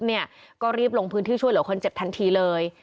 เนี่ยก็รีบลงพื้นที่ช่วยเหลือคนเจ็บทันทีเลย